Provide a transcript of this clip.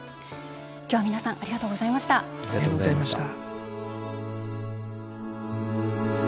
今日は皆さんありがとうございました。